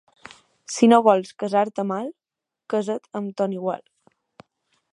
Si no vols casar-te mal, casa't amb ton igual.